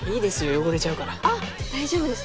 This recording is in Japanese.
汚れちゃうか大丈夫です